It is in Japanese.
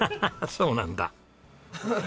そうなんだ。